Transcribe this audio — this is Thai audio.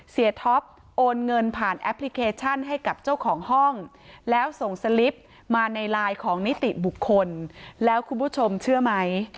ท็อปโอนเงินผ่านแอปพลิเคชันให้กับเจ้าของห้องแล้วส่งสลิปมาในไลน์ของนิติบุคคลแล้วคุณผู้ชมเชื่อไหม